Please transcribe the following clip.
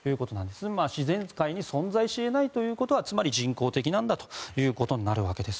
自然界に存在しえないということはつまり人工的なんだということです。